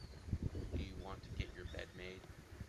Do you want to get your bed made?